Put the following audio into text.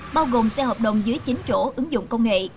bao gồm xe hợp đồng dưới chín chỗ ứng dụng công nghệ